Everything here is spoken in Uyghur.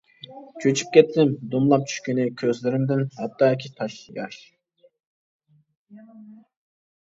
چۆچۈپ كەتتىم دومىلاپ چۈشكىنى، كۆزلىرىمدىن ھەتتاكى تاش ياش.